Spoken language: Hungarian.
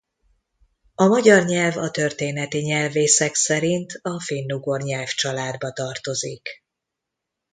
A magyar nyelv a történeti nyelvészek szerint a finnugor nyelvcsaládba tartozik.